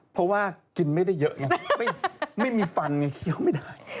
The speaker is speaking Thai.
เพราะว่ากินไม่ได้เยอะไม่มีฟันเนี่ยเขาไม่ได้